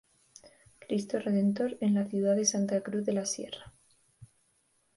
Cristo Redentor, en la ciudad de Santa Cruz de la Sierra.